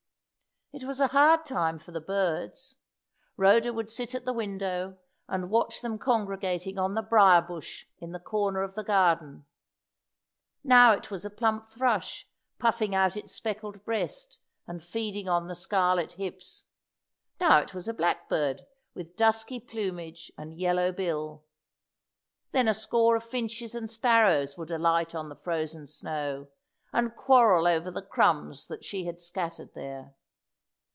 It was a hard time for the birds. Rhoda would sit at the window and watch them congregating on the brier bush in the corner of the garden. Now it was a plump thrush, puffing out its speckled breast, and feasting on the scarlet hips; now it was a blackbird, with dusky plumage and yellow bill. Then a score of finches and sparrows would alight on the frozen snow, and quarrel over the crumbs that she had scattered there.